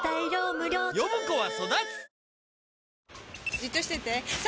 じっとしてて３！